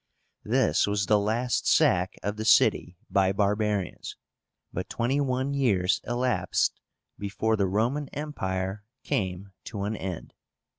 This was the last sack of the city by barbarians. But twenty one years elapsed before the Roman Empire came to an end (476).